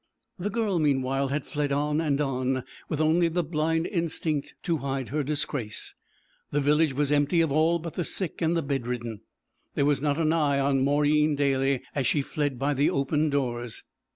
The girl meanwhile had fled on and on, with only the blind instinct to hide her disgrace. The village was empty of all but the sick and the bed ridden. There was not an eye on Mauryeen Daly as she fled by the open doors.